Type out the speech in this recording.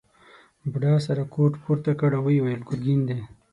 بوډا سره کوټ پورته کړ او وویل ګرګین دی.